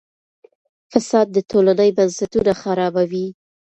فساد د ټولنې بنسټونه خرابوي.